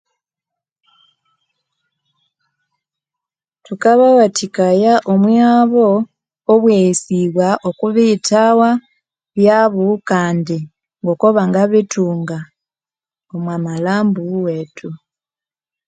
Thukabawathikaya omwihabo obweghesibwa okwa biyithawa byabo kandi ngokobanga bithunga omwa malhambo wethu.